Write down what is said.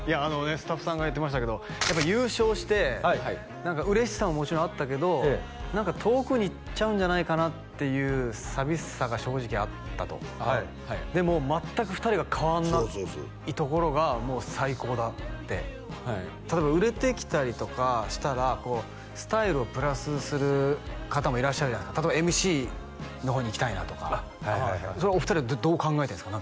スタッフさんが言ってましたけどやっぱ優勝して何か嬉しさももちろんあったけど何か遠くに行っちゃうんじゃないかなっていう寂しさが正直あったとでも全く２人が変わんないところがもう最高だってはい例えば売れてきたりとかしたらこうスタイルをプラスする方もいらっしゃる例えばＭＣの方にいきたいなとかはいはいはいお二人はどう考えてるんですか？